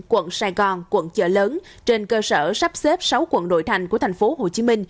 quận sài gòn quận chợ lớn trên cơ sở sắp xếp sáu quận nội thành của tp hcm